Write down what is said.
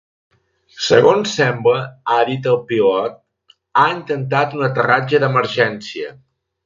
Segons sembla, ha dit, el pilot ha intentat un aterratge d’emergència.